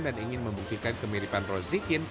dan ingin membuktikan kemiripan rozikin